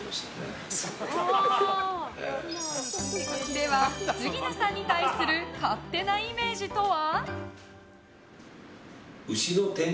では、杉野さんの対する勝手なイメージとは？